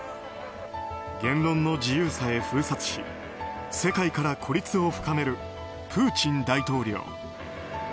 言論の自由さえ封殺し世界から孤立を深めるプーチン大統領。